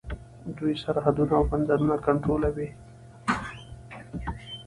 دوی سرحدونه او بندرونه کنټرولوي.